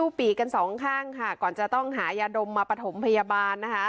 ปีกกันสองข้างค่ะก่อนจะต้องหายาดมมาปฐมพยาบาลนะคะ